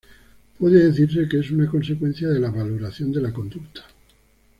Puede decirse que es una consecuencia de la valoración de la conducta.